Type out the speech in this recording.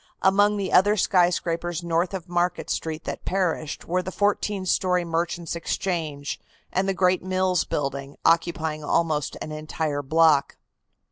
Among the other skyscrapers north of Market Street that perished were the fourteen story Merchants' Exchange, and the great Mills Building, occupying almost an entire block.